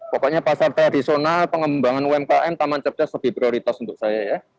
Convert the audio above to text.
pokoknya pasar tradisional pengembangan umkm taman cerdas lebih prioritas untuk saya ya